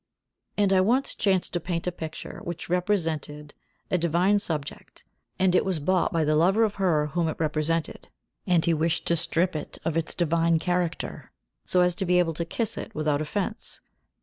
And I once chanced to paint a picture which represented a divine subject, and it was bought by the lover of her whom it represented, and he wished to strip it of its divine character so as to be able to kiss it without offence.